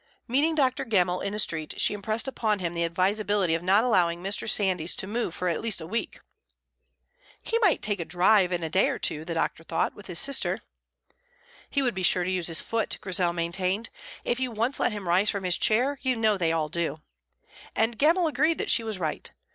Meeting Dr. Gemmell in the street, she impressed upon him the advisability of not allowing Mr. Sandys to move for at least a week. "He might take a drive in a day or two," the doctor thought, "with his sister." "He would be sure to use his foot," Grizel maintained, "if you once let him rise from his chair; you know they all do." And Gemmell agreed that she was right.